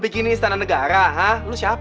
begini istana negara ha